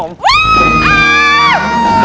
โอ้ยยย